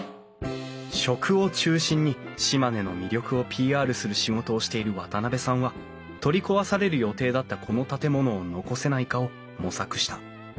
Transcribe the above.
食を中心に島根の魅力をＰＲする仕事をしている渡部さんは取り壊される予定だったこの建物を残せないかを模索した。